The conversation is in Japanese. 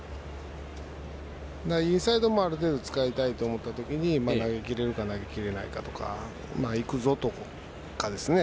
インサイドもある程度使いたいと思ったときに投げきれるかどうかとか行くぞとかですね。